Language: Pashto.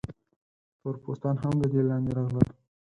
تور پوستان هم د دې لاندې راغلل.